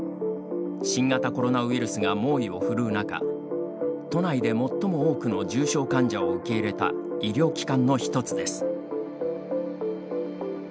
新型コロナウイルスが猛威を振るう中都内で最も多くの重症患者を受け入れた医療機関の一つです。